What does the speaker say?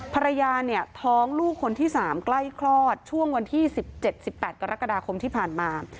ภรรยาเนี่ยท้องลูกคนที่๓ใกล้คลอดช่วงวันที่๑๗๑๘กรกฎาคมที่ผ่านมา